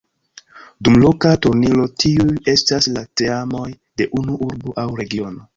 Dum loka turniro tiuj estas la teamoj de unu urbo aŭ regiono.